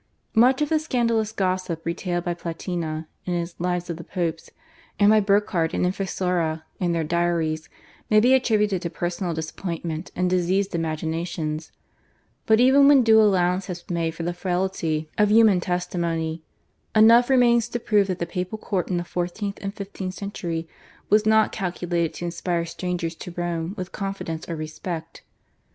Much of the scandalous gossip retailed by Platina in his /Lives of the Popes/, and by Burcard and Infessura in their /Diaries/ may be attributed to personal disappointment and diseased imaginations, but even when due allowance has been made for the frailty of human testimony, enough remains to prove that the Papal Court in the fourteenth and fifteenth centuries was not calculated to inspire strangers to Rome with confidence or respect.